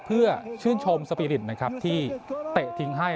เพื่อชื่นชมสปีริตนะครับที่เตะทิ้งให้